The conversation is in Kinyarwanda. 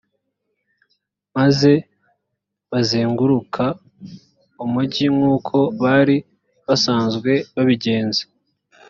maze bazenguruka umugi nk’uko bari basanzwe babigenza.